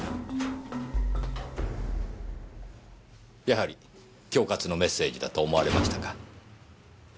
やはり恐喝のメッセージだと思われましたか？